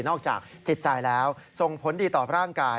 อกจากจิตใจแล้วส่งผลดีต่อร่างกาย